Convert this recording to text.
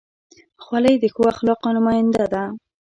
خولۍ د ښو اخلاقو نماینده ده.